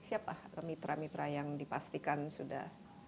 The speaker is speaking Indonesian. siapa mitra mitra yang dipastikan sudah